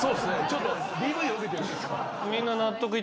ちょっとＤＶを受けてるんですか？